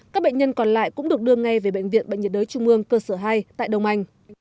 các bệnh nhân còn lại cũng được đưa ngay về bệnh viện bệnh nhiệt đới trung ương cơ sở hai tại đông anh